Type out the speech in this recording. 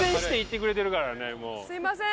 すいません。